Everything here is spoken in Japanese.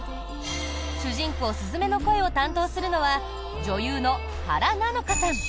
主人公・鈴芽の声を担当するのは女優の原菜乃華さん。